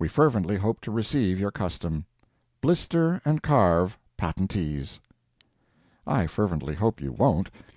"We fervently hope to receive your custom. BLISTER & CARVE, Patentees" I fervently hope you won't.